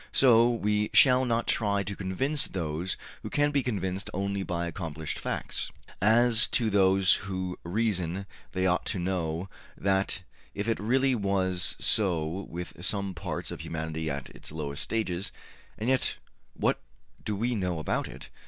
So we shall not try to convince those who can be convinced only by accomplished facts. As to those who reason, they ought to know that, if it really was so with some parts of humanity at its lowest stages and yet, what do we know about it?